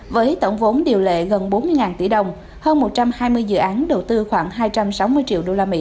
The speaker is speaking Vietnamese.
với tổng vốn điều lệ gần bốn mươi tỷ đồng hơn một trăm hai mươi dự án đầu tư khoảng hai trăm sáu mươi triệu usd